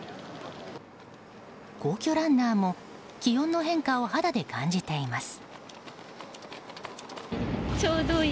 皇居ランナーも気温の変化を肌で感じています。